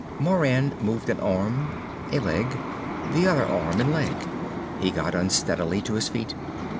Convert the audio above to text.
Moran moved an arm. A leg. The other arm and leg. He got unsteadily to his feet.